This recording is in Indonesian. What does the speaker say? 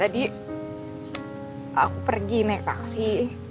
tadi aku pergi naik taksi